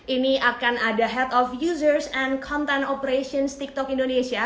ini akan ada head of users and content operations tiktok indonesia